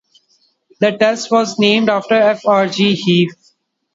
The test was named after F. R. G. Heaf.